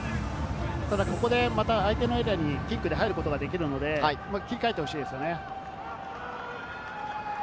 ただ、ここで相手のエリアにキックで入ることができるので切り替えてほしいですね。